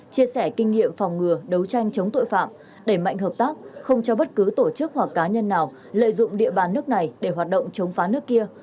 chia sẻ kinh nghiệm phòng ngừa đấu tranh chống tội phạm đẩy mạnh hợp tác không cho bất cứ tổ chức hoặc cá nhân nào lợi dụng địa bàn nước này để hoạt động chống phá nước kia